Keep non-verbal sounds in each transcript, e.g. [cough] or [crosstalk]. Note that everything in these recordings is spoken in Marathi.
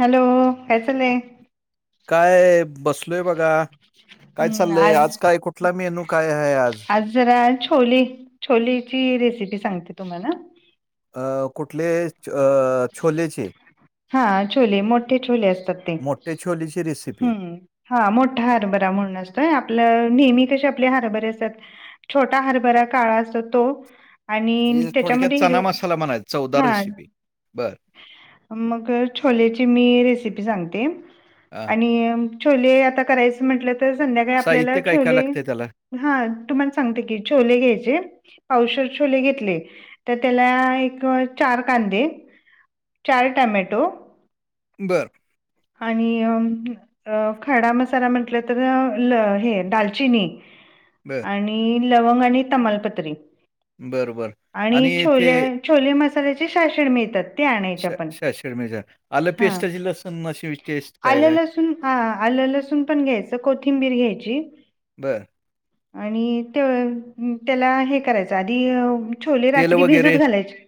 हॅलो! काय चाललेय.? काय बसलोय बघा काय चाललय आज काय कुठला मेनू काय आहे आज. जरा छोले -छोलेची रेसिपी सांगते तुम्हाला. अ कुठले अ छोले चे हा छोले मोठे छोले असतात ते मोठे छोले ची रेसिपी हम्म हा मोठा हारभरा म्हणून असतोय. आपलं नेहमी कशे आपले हारभरे असतात. छोटा हरभरा काळा असतो तो. आणि म्हणजे थोडक्यात त्याच्यामध्ये चना हिरवा मसाला म्हणायचा, चवदार हा रेसिपी. बरं. मग छोलेची मी रेसिपी सांगते. हां. अ छोले आता करायच म्हंटल तर संध्याकाळी आपल्याला साहित्य काय काय छोले लागतंय त्याला? हा तुमला सांगते की छोले घ्यायचे पावशेर छोले घेतले. तर त्याला एक चार कांदे, चार टोमॅटो बरं आणि अ मग अ खडा मसाला म्हटलतर ल हे दालचिनी बर आणि लवंग आणि तमालपत्री बरं, बरं. आणि छोले ते छोले मसाल्याची शाशीड मिळतात. ते आणायचे आपण. शायशे्ड मिळतात, आलं पेस्टाची लसुण मग अशी टेस्ट आल, काय काय? लसून, आल, लसून पण घ्यायचं कोथिंबीर पण घ्यायची. बरं. आणि ते त्याला हे करायचं आधी छोले तेल रात्री भिजत वगैरे? घालायचे.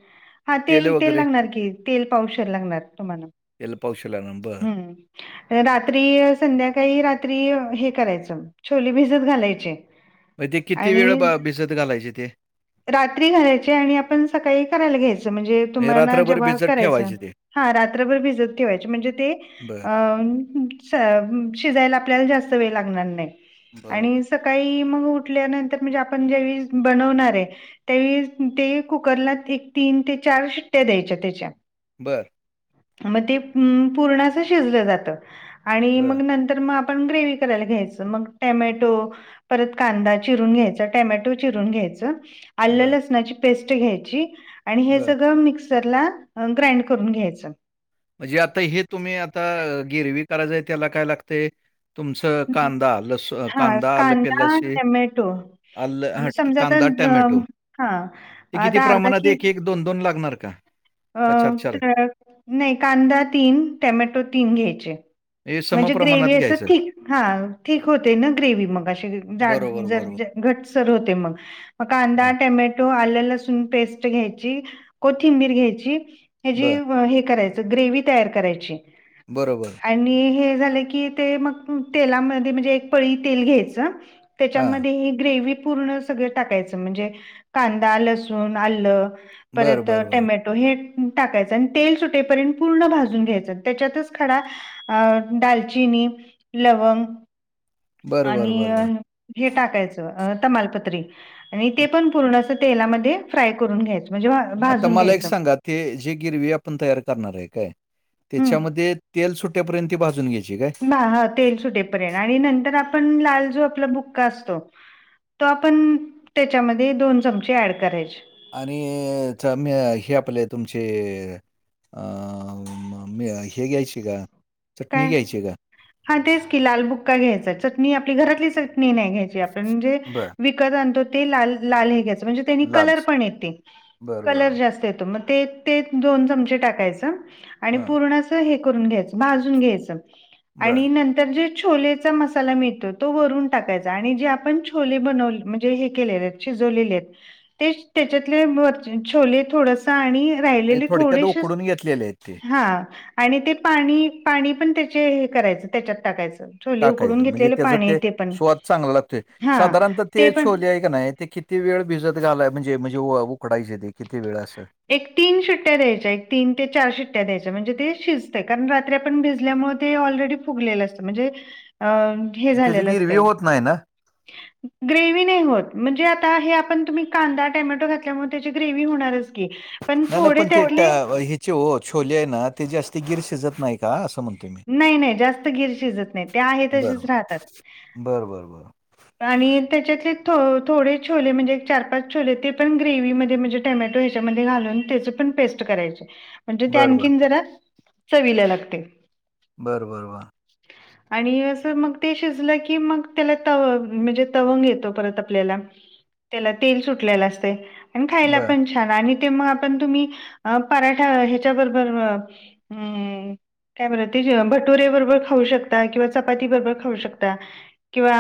हा तेल- तेल लागणार की तेल पावशेर लागणार तुम्हाला. तेल पावशेर लागणार नं हं रात्री संध्याकाळी- रात्री हे करायच छोले भिजत घालायचे. मग ते किती वेळ आणि भिजत घालायचे ते? रात्री घालायची आणि आपण सकाळी करायला घ्यायच म्हणजे तुम्हाला रात्रभर जेव्हा भिजत करायचं. ठेवायचे ते? हा रात्रभर भिजत ठेवायची म्हणजे बरं. अ शिजायला आपल्याला जास्त वेळ लागणार नाही. बरोबर. आणि सकाळी मग उठल्यानंतर म्हणजे आपण ज्यावेळी बनवणार आहे. त्यावेळेस ते कुकरला एक तीन ते चार शिट्ट्या द्यायच्या त्याच्या. बर. मग ते पूर्ण शिजल जात आणि बरं, मग न तर मग आपण ग्रेव्ही करायला घ्यायचं मग टोमॅटो परत कांदा चिरून घ्यायचा टोमॅटो चिरून घ्यायच आलं, बरं, लसणाची पेस्ट घ्यायची आणि हे बरं. सगळं मिक्स मिक्सरला ग्राइंड करून घ्यायच. म्हणजे आता हे तुम्ही आता ग्रेव्ही करायचय त्याला काय लागतेय? तुमचं हं, हं. कांदा, लस हां, कांदा, आलं, कांदा, पिलाशी, टोमॅटो मग आलं समजा आता कांदा, अ, टोमॅटो हां, ते किती आता अर्धा प्रमाणात की एक, एक, दोन, दोन लागणार का? अ का नाही कांदा तीन, टोमॅटो तीन घ्यायचे. यस म्हणजे ग्रेव्ही असं थिक हा ठीक होते ना ग्रेव मग असेड बरोबर, जार बरोबर. घट्टसर होते मग मग कांदा, हं, टोमॅटो, आलं, लसून पेस्ट घ्यायची कोथिंबीर घ्यायची ह्याची बरं. हे ग्रेव्ही करायची तयार करायची बरबर आणि हे झालं की ते मग तेलामध्ये म्हणजे एक पळी तेल घ्यायचं हां. त्याच्यामध्ये हे ग्रेव पूर्णस सगळं टाकायचं म्हणजे कांदा, लसुण, आलं, बरं, परत बरं, बरं. टोमॅटो हे टाकायच आणि तेल सुटेपर्यंत पूर्ण भाजून घ्यायचं त्याच्यातच खडा अ दालचिनी, लवंग बरं, बरं, आणि बरं, बरं. हे टाकायचं तमालपत्री आणि ते पण पूर्ण अस तेलामध्ये फ्राय करून घ्यायचं म्हणजे आता भाजून मला एक घ्यायचं. सांगा ते जे ग्रेव्ही आपण तयार करणार आहे काय? हम्म. त्याच्यामध्ये तेल सुट त्यापर्यंत ती भाजून घ्यायची काय? बा ह तेल सुटेपर्यंत आणि नंतर आपण लाल जो आपला बुक्का असतो. तो आपण त्याच्यामध्ये दोन चमचे ॲड करायच. आणि च म हे आपले तुमचे अ म हे घ्यायचे का चटणी काय घ्यायची का हा तेच की लालबुक्का घ्यायचा चटणी आपली घरातली चटणी नाही घ्यायची आपण म्हणजे बरं. विक आणतो ते लाल लाल हे घ्याच म्हणजे त्यांनी कलर लालची. पण येते बरं, कलर बरं. जास्त येतो ते ते दोन चमचे टाकायच आणि हां. पूर्ण असं हे करून घ्यायच घ्यायचं बरं. आणि नंतर जे छोलेचा मसाला मिळतो तो वरून टाकायचा आणि जे आपण छोले बनवले म्हणजे हे केलेले आहेत शिजवलेले आहेत तेच त्यांच्यातले ब छोले थोडेसे चाळणी म्हणजे आणि थोडक्यात थोडेसेच उकडून घेतलेले आहेत ते हा आणि ते पाणी पाणी पण त्याचे हे करायचं त्याच्यात टाकायचं छोले उकडून टाकायचं म्हणजे घेतलेलं त्याचा पाणी आहे ते पण स्वाद चांगला लागतोय. हा साधारणत ते पण छोले आहे का नाही ते किती वेळ भिजत घालाय म्हणजे म्हणजे उकडायचे ते किती वेळ असं? एक तीन शिट्ट्या द्यायच्या एक तीन ते चार शिट्ट्या द्यायच्या म्हणजे ते शिजते कारण रात्री आपण भिजल्यामुळे ते ऑलरेडी फुगलेलं असतं म्हणजे अ हे त्याची झालेलं गिरवी असतय होत नाही ना? ग्रेव्ही नाही होत म्हणजे आता हे आपण तुम्ही कांदा टोमॅटो घातल्यामुळे त्याची ग्रेव्ही होणारच की पण नाही, नाही थोडे ते थोडं त्यातले त्या ह्याचे छोले आहे ना ते जास्त गीर शिजत नाही का असं म्हणत नाही नाही जास्त गीर शिजत नाही ते आहेत तसेच बरोबर. राहतात बरं, बरं, बरं. आणि त्याच्यातले थोडे छोले म्हणजे चार पाच छोले ते पण ग्रेव मध्ये म्हणजे टमॅटो ह्याच्यामध्ये घालून त्याची पण पेस्ट करायची म्हणजे ते बरं, बरं. आणखीन जरा चवीला लागते बरं बर बर आणि असं मग ते शिजलं की मग त्याला तव म्हणजे तवंग येतो परत आपल्याला त्याला तेल सुटलेल असते आणि खायला बरं. पण छान आणि ते मग आपण तुम्ही पराठा ह्याच्याबरोबर हम्म काय बर भटुरेबरोबर खाऊ शकता किंवा चपाती बरोबर खाऊ शकता किंवा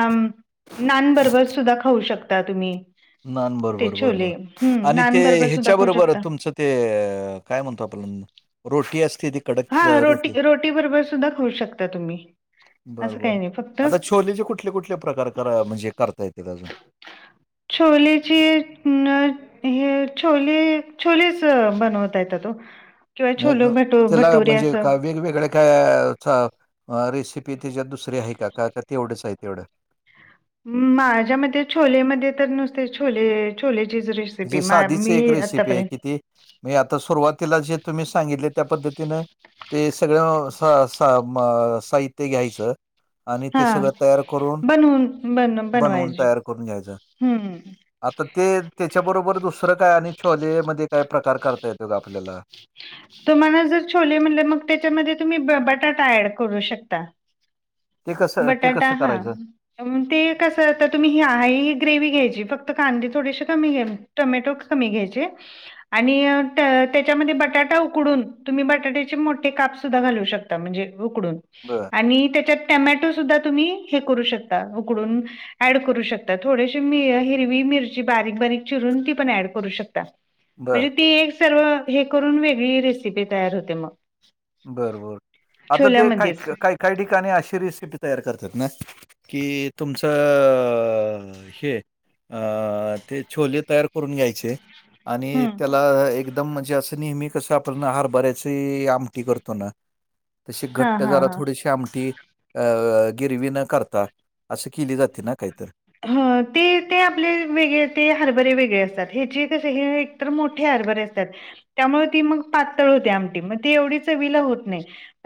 नानबरोबर सुद्धा खाऊ शकता तुम्ही नान ते बरोबर बरोबर छोले. हं, आणि ते नान बरोबर सुद्धा ह्याच्या खाऊ बरोबर शकता. तुमचं ते काय म्हणतो आपण रोटी असती त हा रोटी रोटी बरोबर सुद्धा खाऊ शकता तुम्ही बर असं बर काही नाही फक्त आता छोलेचे कुठले कुठले प्रकार करा म्हणजे करता येते अजून छोलेची न हे छोले छोलेच बनवता येतात ओकिंवा न छोले न भट त्याला म्हणजे का वेगवेगळ्या काय रेसिपी त्याच्यात दुसरीे आहे का का तेवढेच आहे तेवढं माझ्या मते छोलेमध्ये तर नुसते छोले छोलेचीच रेसिपी म्हणजे मा मी आतापर्यंत म्हे आता सुरुवातीला जे तुम्ही सांगितले त्या पद्धतीन ते सगळं साहित्य घ्यायचं आणि ते हां, सगळं तयार करून बनवून बन बनवून बनवायची. तयार करून घ्यायचं हं. आता ते त्याच्याबरोबर दुसरं काय आणि छॉले मध्ये काय प्रकार करता येतोत आपल्याला तुम्हाला जर छोले म्हणले मग त्याच्यामध्ये तुम्ही ब बटाटा ऍड करू शकता ते कसं ते बटाटा कसं हा करायचं? ते कसं आता तुम्ही ही आहे ग्रेवी घ्यायची फक्त कांदीे थोडीशी कमी घेल टोमॅटो कमी घ्यायचे आणि त्याच्यामध्ये बटाटा उकडून तुम्ही बटाट्याचे मोठे काप सुद्धा घालू शकता म्हणजे उकडून बर आणि त्याच्यात टमॅटो सुद्धा तुम्ही हे करू शकता उकडून ऍड करू शकता थोडेसे हिरवी मिरची बारीक बारीक चिरून ती पण ऍड करू शकता म्हणजे बरं, ती एक सर्व हे करून वेगळी रेसिपी तयार होते मग बरबर आता ते काय छोल्यामध्येच काय काय ठिकाणी अशी रेसिपी तयार करतात ना कि तुमचं हे अ.. ते छोले तयार करून घ्यायचे आणि हम्म त्याला एकदम म्हणजे असं नेहमी कसं, ते आपल्याण हार भरायच आम की, करतो ना तशी हा घट्ट हा जराात हा थोडीशी आमटी. अ.. गिरवी न करता असं केली, जाते ना काहीतरी ह, ते ते आपले वेगळे ते हरबरे वेगळे असतात हे हचे कसे हे तर मोठे हरबर असतात त्यामुळे ती, मग पातळ होते आमटी मग ती एवढी चवीला होत नाही.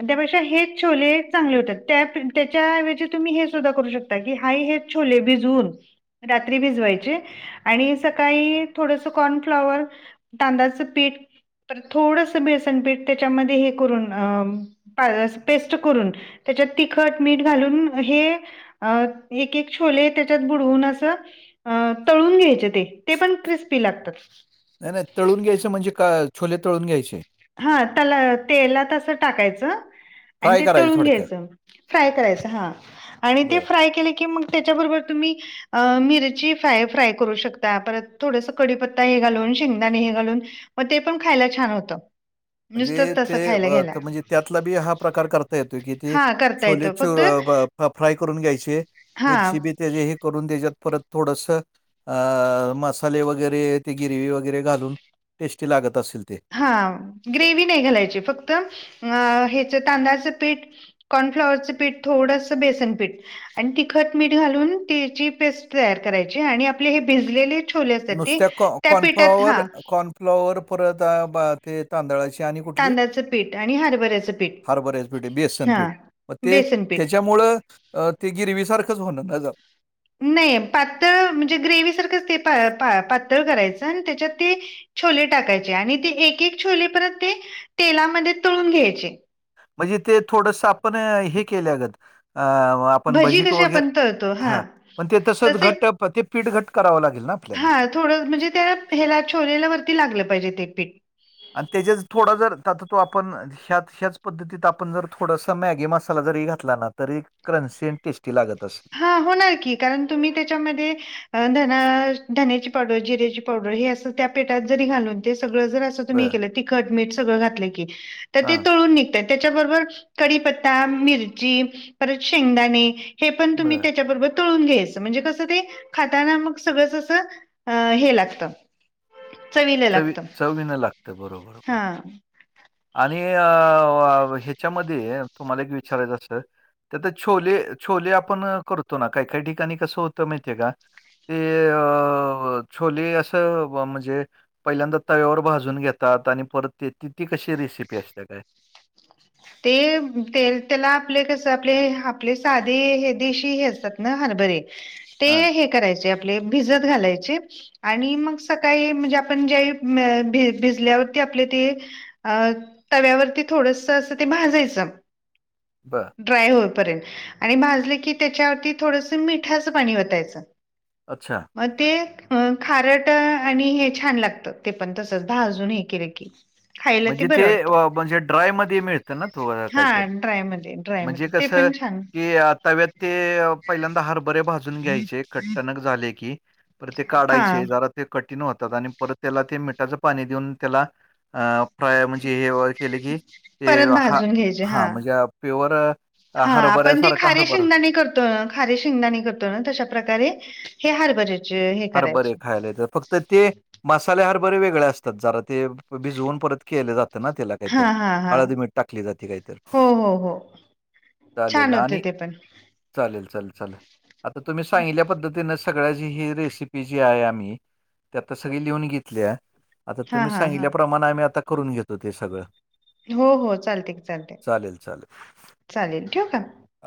त्यापेक्षा हेच छोले चांगले होतात त्या त्याच्या, एवजी तुम्ही हे, सुद्धा करू शकता. [inaudible] तकी, हायहेच छोले बीजु हो रात्री भिजवाचे आणि सकाळी थोडस कॉर्नफ्लवर तांदळाच पीट तर थोडस बेळसणपीठ त्याच्यामध्ये हे करून पेस्ट करून त्याच्यात तिखट मीठ घालून हे एक एक छोले त्या त्याच्यात बुडवून असं तळून घ्यच ते ते पण क्रिस्पी लातात. नाही नाही तळून घ्यायचं म्हणजे का, छोले तळून घ्यायचे. हा तला तेला तसं टाकायचं, आणि फ्राय ते करायचे तळून थोडक्यात. घ्यायचं फ्राय करायचं हा आणि ते बरं. फ्राय केले की मग त्याच्याबरोबर तुम्ही, अ मिरची फ्राय फ्राय करू शकता परत थोडस कडीपत्ता हे घालून शेंगदाणे हे घालून मग ते पण खायला छान होतं. म्हणजे नुसतंच ते तसं खायला हं घ्यायला हे म्हणजे त्यातला बी हा प्रकार करता येतो कि ते हा करता छोले येतं फक्त चो.. फ्राय करून घ्यायचे हा मिरची बिर तते जे हे, करून त्याच्यात परत थोडस- अ. मसाले वगैरे ते गिरवी वगैरे, घालून टेस्टी लागत असेल ते. हा. अच्छा. ग्रेव्ही नाही घालायची फक्त, अं ह्याच तांदळाचं पीठ- कॉर्नफ्लॉवरचं पीठ थोडंसं बेसन पीठ. अन तिखट, मीठ घालून त्याची पेस्ट तयार करायची. आणि आपले हे भिजलेले - नुसत कॉ- कॉर्नफ्लॉवर, कॉर्नफ्लॉवर परत ते तांदळाची - आणि कुठली? तांदळाचं पीठ आणि हरभऱ्याचं पीठ हारबऱ्याच पीठ, बेसन हा पीठ. ते बेसन पीठ त्याच्यामुळं अ ते गिरवीसारखंच होणार अस. नाही. पातळ म्हणजे ग्रेवही सारखंच ते पा प प पातळ करायचं आणि त्याच्यात ते- छोले टाकायचे आणि ते एक एक छोले परत ते तेलामध्ये तळून घ्यायचे. म्हणजे ते थोडस, आपण हे केल्यागत. अं - आपण भजी भजित कशी वगैरे. आपण तळतो हा. पण ते तसंच तसे घट ते पीठ घट करावं लागेल ना आपल्याला? अ थोडं म्हणजे ते ह्याला छोलेला वरती लागलं पाहिजे ते पीठ. आणि त्याच्याचं थोडा जर ता तो आपण- ह्यात ह्याच पद्धतीत आपण जर, थोडासा मॅगी मसाला जरी घातला ना तरी - क्रंची आणि टेस्टी लागत असेल. हा होणार की, कारण तुम्ही त्याच्यामध्ये- अ धना धण्याची पावडर, जिऱ्याची पावडर हे असं त्या पिठात जरी घालून ते सगळं जर- म तुम्ही बर हे केलंत तिखट मीठ सगळं घातल की. तर ते हा तळून निघ - -ते. त्याच्याबरोबर कढिपत्ता, मिरची, परत शेंगदाणे हे- पण तुम्ही बर त्याच्याबरोबर- तळून घ्यायचं. म्हणजे कसं ते खाताना मग सगळंच असं हे लागत. चवी चवीन लागत बरोबर बरोबर. हां. आणि अ ह्याच्यामध्ये तुम्हाला, एक विचारायचं असं- तर तर छोले. छोले आपण करतो ना? काही काही ठिकाणी कसं होतं माहितीय का? ते अ छोले असं म्हणजे- पहिल्यांदा तव्यावर भाजून घेतात. आणि परत ते ती कशी रेसिपी असतेय काय? ते त्याला आपले कस? आपले आपले साधे हे देशी हे असतात ना? हरभरे. ते हां, हे करायचे आपले भिजत घालायचे. आणि मग सकाळी म्हणजे आपण जे भि भिजल्यावरती आपले ते- अ. तव्यावरती थोडस असं ते भाजायचं. बर. ड्राय होईपर्यंत. आणि भाजले की त्याच्यावरती थोडस मिठाचं पाणी ओतायचं. अच्छा. म ते - अ खारट आणि हे छान लागत. ते पण तसच भाजून हे केले की. खायला म्हणजे बरं ते वाटतं म्हणजे ड्राय मध्ये मिळतं ना? [unintelligible] हा काहीतर. ड्रायमध्ये म्हणजे ड्रायमध्ये ते कसं? पण छान की तव्यात ते पहिल्यांदा हरभरे भाजून घ्यायचे. कट्टनक झाले की, परत ते हा काढायचे जरा- ते कठीण होतात. आणि परत त्याला ते मिठाच पाणी देऊन त्याला-आं - फ्राय म्हणजे हे केले की ते परत हा- भाजून घ्यायचे हा. म्हणजे प्युअर हरभऱ्यासारखा हरभरा. त खारे शेंगदाणे करतो ना तशा प्रकारे हे हारभरे. हरबरे खायला तर फक्त- तर ते मसालेदार हरबरे वेगळे असतात जरा ते. भिजवून परत केले जातात. म्हणा त्याला काही हा तर हा हा हळद, मीठ टाकली जाते काही तर. हो हो हो छान होते ते पण. चालेल चाल चाल आता तुम्ही सांगितल्या पद्धतीन सगळ्याची ही रे पी जे आहे आम्ही ते आता सगळी लिहून घेतल्या. आता हा तुम्ही हा हा सांगितल्याप्रमाण आम्ही आता करून घेतो ते सग हो हो चालतय चालत चालेल ठेवू का? आ